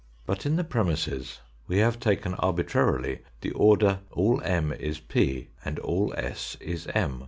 But in the premisses we have taken arbitrarily the order all M is P, and all s is M.